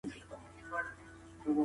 څېړنه مه پیچلې کوئ.